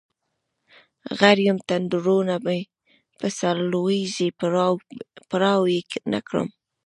غر یم تندرونه مې په سرلویږي پروا یې نکړم